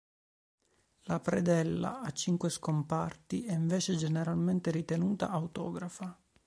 La predella a cinque scomparti è invece generalmente ritenuta autografa.